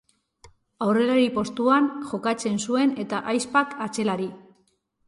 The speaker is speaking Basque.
Aurrelari postuan jokatzen zuen eta ahizpak atzelari.